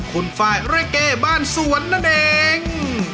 คุณไฟล์เรเก้บ้านสวนนั่นเอง